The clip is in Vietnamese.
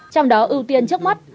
trong đó ưu tiên trước mắt